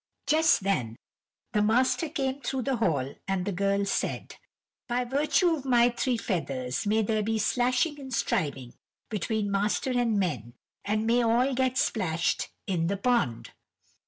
Just then the master came through the hall, and the girl said: "By virtue of my three feathers may there be slashing and striving between master and men, and may all get splashed in the pond."